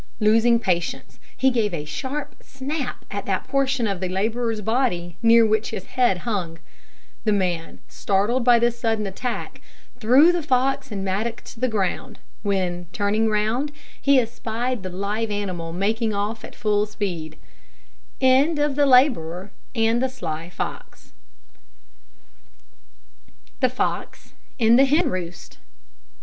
Losing patience, he gave a sharp snap at that portion of the labourer's body near which his head hung. The man, startled by this sudden attack, threw fox and mattock to the ground, when, turning round, he espied the live animal making off at full speed. THE FOX IN THE HEN ROOST.